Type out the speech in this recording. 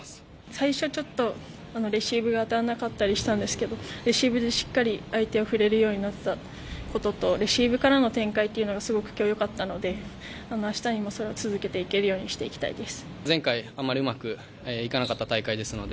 最初ちょっと、レシーブが当たんなかったりしたんですけど、レシーブでしっかり相手を振れるようになったこととレシーブからの展開っていうのがすごく今日、よかったので明日にも続けていけるようにしていきたいです。